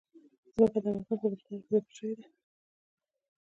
ځمکه د افغانستان په اوږده تاریخ کې ذکر شوی دی.